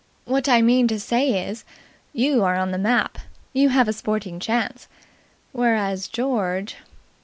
What I mean to say is, you are on the map. You have a sporting chance. Whereas George...